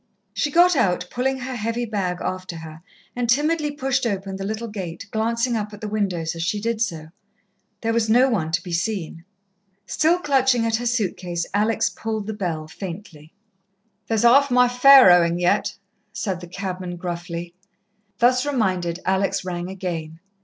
She got out, pulling her heavy bag after her, and timidly pushed open the little gate, glancing up at the windows as she did so. There was no one to be seen. Still clutching at her suit case, Alex pulled the bell faintly. "There's half my fare owing yet," said the cabman gruffly. Thus reminded, Alex rang again.